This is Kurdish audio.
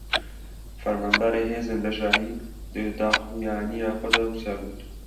Fermandarê hêzên bejahî, di daxuyaniya xwe de wisa got: